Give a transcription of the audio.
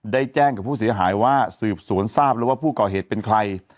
ได้แจ้งกับผู้เสียหายว่าสืบสวนทราบแล้วว่าผู้ก่อเหตุเป็นใคร